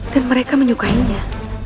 dan mereka menyukainya